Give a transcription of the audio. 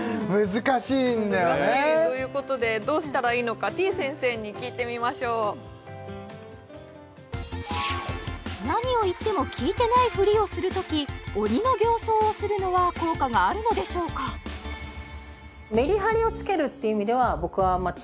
難しいということでどうしたらいいのかてぃ先生に聞いてみましょう何を言っても聞いてないフリをするとき鬼の形相をするのは効果があるのでしょうかかなとは思います